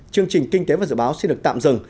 chương trình kinh tế và dự báo xin được tạm dừng